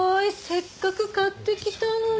せっかく買ってきたのに。